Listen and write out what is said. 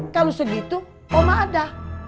kalau segitu omah ada